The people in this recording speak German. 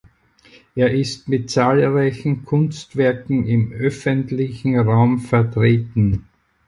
Er ist mit zahlreichen Kunstwerken im öffentlichen Raum vertreten.